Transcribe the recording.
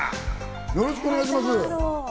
よろしくお願いします。